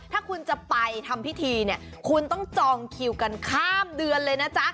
ถ้าคุณจะไปทำพิธีเนี่ยคุณต้องจองคิวกันข้ามเดือนเลยนะจ๊ะ